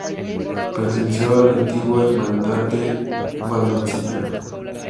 Perteneció a la antigua Hermandad de Valdoncina.